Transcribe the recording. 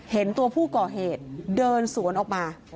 เห็นตัวผู้ก่อเหตุเดินสวนออกมา